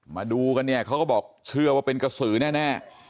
มาดูกันเนี่ยเขาก็บอกเชื่อว่าเป็นกระสือแน่